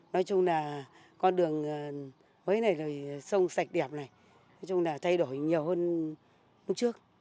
nói chung là con đường mới này rồi sông sạch đẹp này nói chung là thay đổi nhiều hơn hôm trước